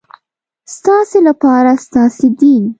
ستاسې لپاره ستاسې دین.